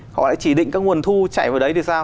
họ lại chỉ định các nguồn thu chạy vào đấy thì sao